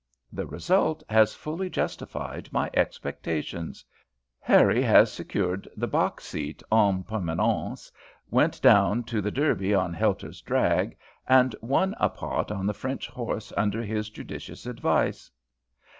The result has fully justified my expectations. Harrie has secured the box seat en permanence, went down to the Derby on Helter's drag, and won a pot on the French horse under his judicious advice.